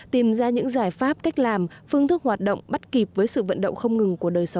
tìm ra những giải pháp cách làm phương thức hoạt động bắt kịp với sự vận động không ngừng của đời sống